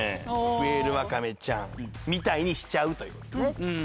ふえるわかめちゃんみたいにしちゃうという事ですね。